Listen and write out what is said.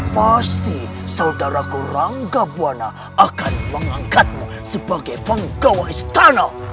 pasti saudaraku ranggabwana akan mengangkatmu sebagai penggawa istana